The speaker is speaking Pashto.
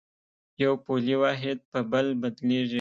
یو پولي واحد په بل بدلېږي.